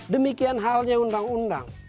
demikian halnya undang undang